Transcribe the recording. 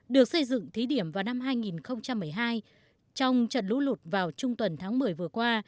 được xây dựng thí điểm vào năm hai nghìn một mươi hai trong trận lũ lụt vào trung tuần tháng một mươi vừa qua